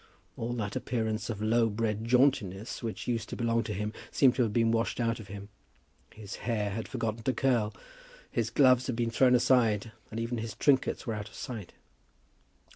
All that appearance of low bred jauntiness which used to belong to him seemed to have been washed out of him. His hair had forgotten to curl, his gloves had been thrown aside, and even his trinkets were out of sight.